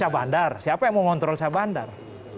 sah bandar siapa yang mengontrol sah bandar